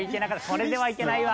これではいけないわ。